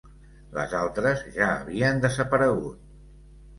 Les altres ja havien desaparegut.